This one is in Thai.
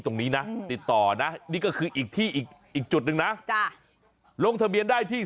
กราบไหว้ตามวิถี